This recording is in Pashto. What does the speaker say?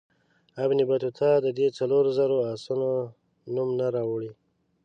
ابن بطوطه د دې څلورو زرو آسونو نوم نه راوړي.